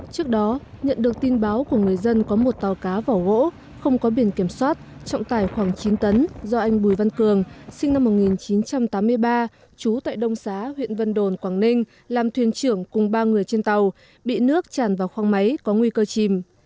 trước đó nhận được tin báo của người dân có một tàu cá vỏ gỗ không có biển kiểm soát trọng tải khoảng chín tấn do anh bùi văn cường sinh năm một nghìn chín trăm tám mươi ba trú tại đông xá huyện vân đồn quảng ninh làm thuyền trưởng cùng ba người trên tàu bị nước tràn vào khoang máy có nguy cơ chìm